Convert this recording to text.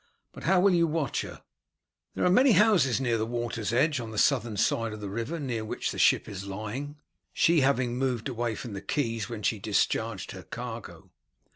But how will you watch her?" "There are many houses near the water's edge, on the southern side of the river near which the ship is lying, she having moved away from the quays when she discharged her cargo.